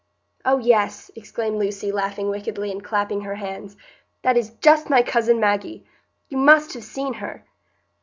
"Oh yes!" exclaimed Lucy, laughing wickedly, and clapping her hands, "that is just my cousin Maggie. You must have seen her!"